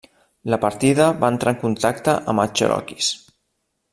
La partida va entrar en contacte amb els cherokees.